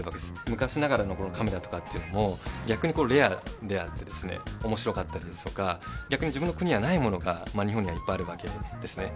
昔ながらのカメラとかっていうのも、逆にレアであっておもしろかったりですとか、逆に自分の国にはないものが日本にはいっぱいあるわけですね。